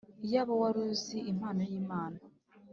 “Iyaba wari uzi impano y’Imana